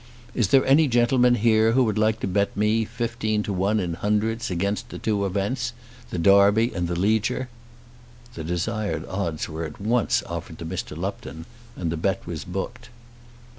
Is there any gentleman here who would like to bet me fifteen to one in hundreds against the two events, the Derby and the Leger?" The desired odds were at once offered by Mr. Lupton, and the bet was booked.